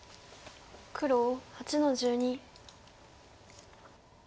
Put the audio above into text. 黒８の十二。